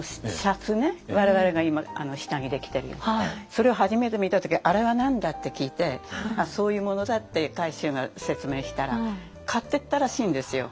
それを初めて見た時「あれは何だ？」って聞いてそういうものだって海舟が説明したら買っていったらしいんですよ。